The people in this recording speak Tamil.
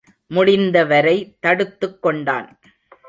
முடிந்தவரை தடுத்துக் கொண்டான்.